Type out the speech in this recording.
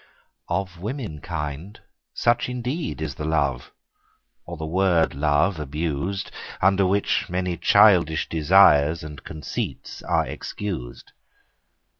Of womankind such indeed is the love, Or the word love abusèd, Under which many childish desires And conceits are excusèd.